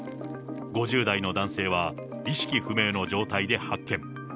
５０代の男性は意識不明の状態で発見。